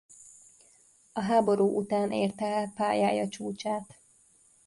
A háború után érte el pályája csúcsát.